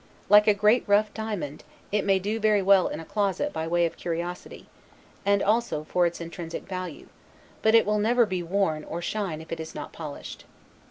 Like a great rough diamond, it may do very well in a closet by way of curiosity, and also for its intrinsic value; but it will never be worn or shine if it is not polished.